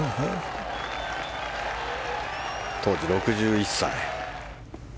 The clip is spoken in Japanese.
当時６１歳。